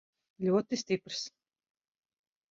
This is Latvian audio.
Ļoti stiprs.